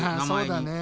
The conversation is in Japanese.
そうだね。